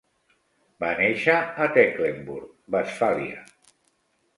Va néixer a Tecklenburg, Westfàlia.